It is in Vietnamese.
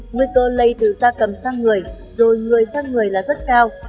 nguy cơ lây từ da cầm sang người rồi người sang người là rất cao